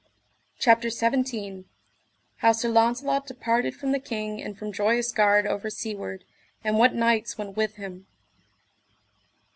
CHAPTER XVII. How Sir Launcelot departed from the king and from Joyous Gard over seaward, and what knights went with him.